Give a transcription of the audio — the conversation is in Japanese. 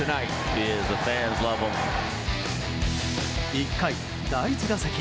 １回、第１打席。